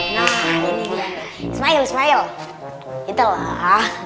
nah ini dia ismail ismail itulah